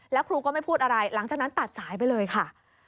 แล้วครูก็ไม่พูดอะไรหลังจากนั้นตัดสายไปเลยค่ะ